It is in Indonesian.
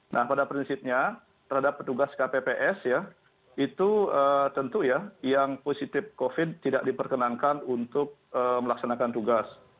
nah pada prinsipnya terhadap petugas kpps ya itu tentu ya yang positif covid sembilan belas tidak diperkenankan untuk melaksanakan tugas